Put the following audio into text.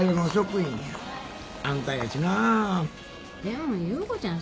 でも優子ちゃん